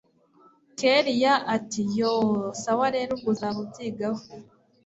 kellia ati yoooh! sawa rero ubwo uzaba ubyigaho